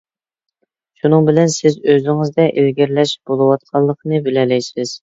شۇنىڭ بىلەن سىز ئۆزىڭىزدە ئىلگىرىلەش بولۇۋاتقانلىقىنى بىلەلەيسىز.